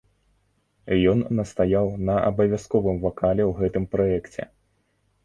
Ён настаяў на абавязковым вакале ў гэтым праекце.